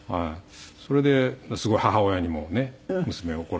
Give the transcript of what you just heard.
それですごい母親にもねっ娘怒られて。